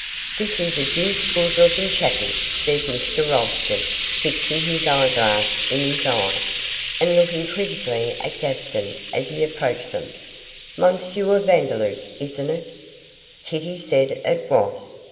'This is a deuced good looking chappie,' said Mr Rolleston, fixing his eyeglass in his eye and looking critically at Gaston as he approached them; 'M. Vandeloup, isn't it?' Kitty said it was.